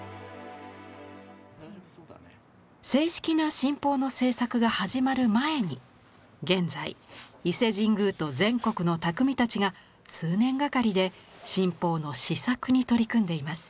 正式な神宝の制作が始まる前に現在伊勢神宮と全国の匠たちが数年がかりで神宝の試作に取り組んでいます。